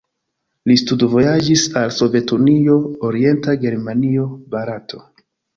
Li studvojaĝis al Sovetunio, Orienta Germanio, Barato.